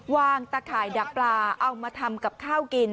ตะข่ายดักปลาเอามาทำกับข้าวกิน